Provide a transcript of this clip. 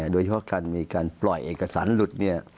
โดยเฉพาะการมีการปล่อยเอกสารหลุด